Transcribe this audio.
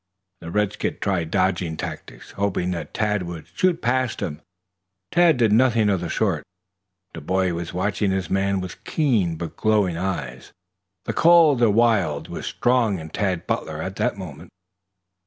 The redskin tried dodging tactics, hoping that Tad would shoot past him. Tad did nothing of the sort. The boy was watching his man with keen but glowing eyes. The call of the wild was strong in Tad Butler at that moment.